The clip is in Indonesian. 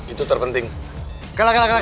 itu terpenting kelak kelak kelak